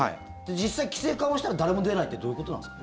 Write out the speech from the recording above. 実際、規制緩和したら誰も出ないってどういうことなんですか？